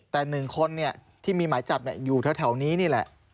แต่๑คนเนี่ยที่มีหมายจับเนี่ยอยู่แถวนี้นี่แหละ